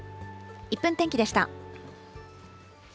１分天気でした。